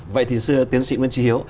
vậy thì sư tiến sĩ nguyễn trí hiếu